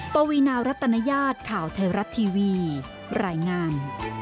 ปวีนารัตนญาติข่าวไทยรัฐทีวีรายงาน